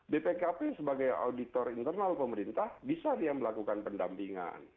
bpkp sebagai auditor internal pemerintah bisa dia melakukan pendampingan